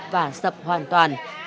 và sập hoàn toàn